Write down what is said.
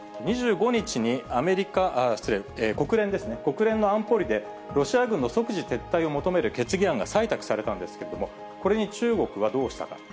２５日に、アメリカ、失礼、国連の安保理でロシア軍の即時撤退を求める決議案が採択されたんですけれども、これに中国はどうしたか。